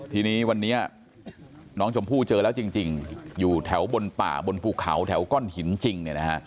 ทีนี้วันนี้น้องชมพู่เจอแล้วจริงอยู่แถวบนป่าบนภูเขาแถวก้อนหินจริง